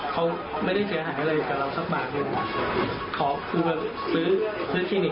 เขาไม่ได้ทรีย์อาหารอะไรกับเราสักบาทยังไง